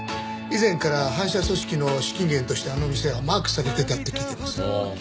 以前から反社組織の資金源としてあの店はマークされてたって聞いてます。